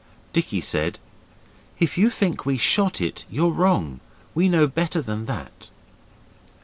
Dickie said, 'If you think we shot it, you're wrong. We know better than that.